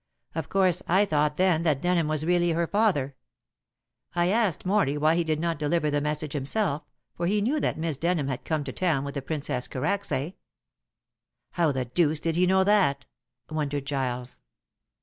Of course I thought then that Denham was really her father. I asked Morley why he did not deliver the message himself, for he knew that Miss Denham had come to town with the Princess Karacsay." "How the deuce did he know that?" wondered Giles.